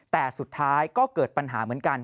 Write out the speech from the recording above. แต่สุดท้ายก็เกิดปัญหาเหมือนกัน